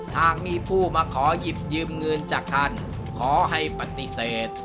หากมีผู้มาขอหยิบยืมเงินจากท่านขอให้ปฏิเสธ